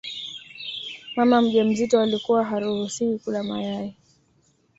Mama mjamzito alikuwa haruhusiwi kula mayai